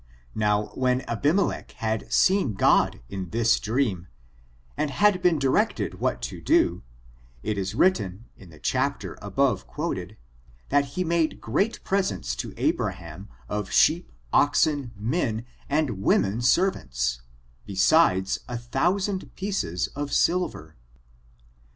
Now, when Abimelech had seen God in this dream, and had been directed what to do, it is written, in the chapter above quoted, that he made great presents to Abraham of sheep, oxen, men and women servants, besides a thousand pieces of silver.